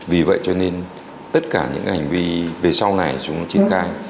vì vậy cho nên tất cả những hành vi về sau này chúng nó triển khai